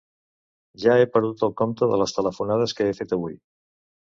Ja he perdut el compte de les telefonades que he fet avui.